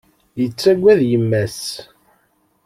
Yettaggad yemma-s.